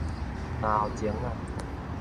嚨喉鐘仔